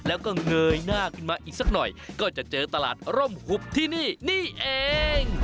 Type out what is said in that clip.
แล้วก็เงยหน้าขึ้นมาอีกสักหน่อยก็จะเจอตลาดร่มหุบที่นี่นี่เอง